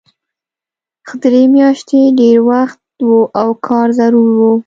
خو درې میاشتې ډېر وخت و او کار ضرور و